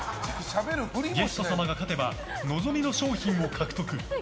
ゲスト様が勝てば望みの賞品を獲得。